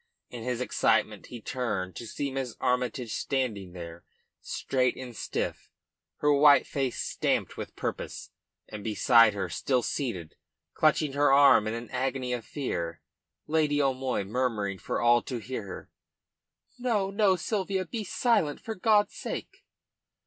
In his excitement he turned, to see Miss Armytage standing there, straight and stiff, her white face stamped with purpose; and beside her, still seated, clutching her arm in an agony of fear, Lady O'Moy, murmuring for all to hear her: "No, no, Sylvia. Be silent, for God's sake!"